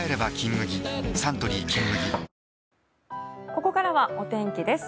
ここからはお天気です。